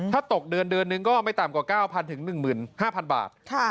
ถ้าตกเดือนเดือนนึงก็ไม่ต่ำกว่า๙๐๐๑๕๐๐บาท